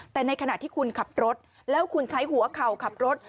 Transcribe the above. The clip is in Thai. แต่ในขณะที่คุณขับรถแล้วคุณใช้หัวเข่าขับรถ